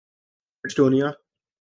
Estonia